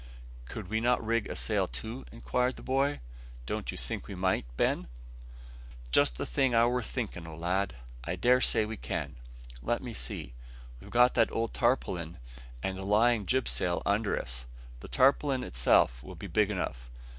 "Could we not rig a sail too?" inquired the boy. "Don't you think we might, Ben?" "Just the thing I war thinkin' o', lad; I dare say we can. Let me see; we've got that old tarpaulin and the lying jib sail under us. The tarpaulin itself will be big enough.